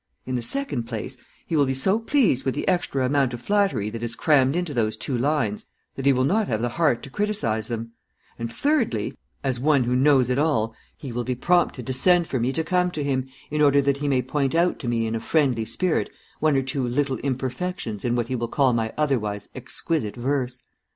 In the second place, he will be so pleased with the extra amount of flattery that is crammed into those two lines that he will not have the heart to criticize them; and thirdly, as one who knows it all, he will be prompted to send for me to come to him, in order that he may point out to me in a friendly spirit one or two little imperfections in what he will call my otherwise exquisite verse.